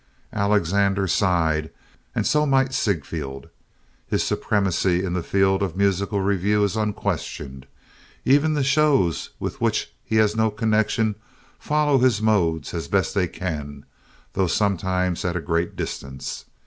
Alexander sighed and so might Ziegfeld. His supremacy in the field of musical revue is unquestioned. Even the shows with which he has no connection follow his modes as best they can, though sometimes at a great distance.